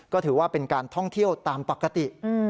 ก็ถือว่าเป็นการท่องเที่ยวตามปกติ